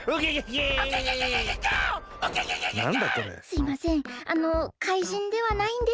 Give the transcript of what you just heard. すいません